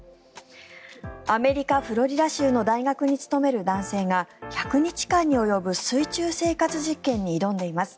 アメリカ・フロリダ州の大学に勤める男性が１００日間に及ぶ水中生活実験に挑んでいます。